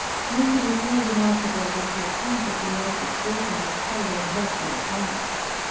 Nothing is more remarkable than the account of the life of William and Caroline Herschel at Bath.